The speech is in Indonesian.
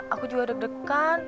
aku juga deg degan